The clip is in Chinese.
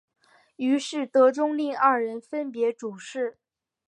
于是德宗令二人分别主事。